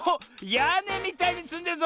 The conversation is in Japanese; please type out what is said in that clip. やねみたいにつんでるぞ！